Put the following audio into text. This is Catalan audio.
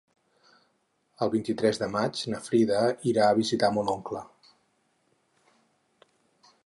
El vint-i-tres de maig na Frida irà a visitar mon oncle.